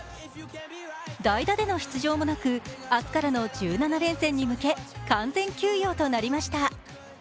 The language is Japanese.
代打での出場もなく、明日からの１７連戦に向け完全休養となりました。